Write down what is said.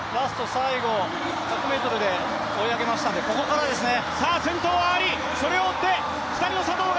最後１００ｍで追い上げましたんで、ここからですね。